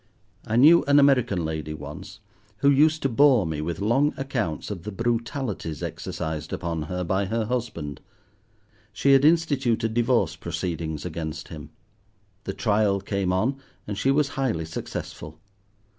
I knew an American lady once who used to bore me with long accounts of the brutalities exercised upon her by her husband. She had instituted divorce proceedings against him. The trial came on, and she was highly successful.